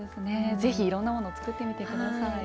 是非いろんなものを作ってみて下さい。